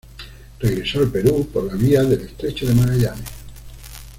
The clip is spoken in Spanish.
Regresó al Perú por la vía del estrecho de Magallanes.